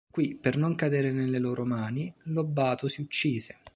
Qui per non cadere nelle loro mani, Lobato si uccise.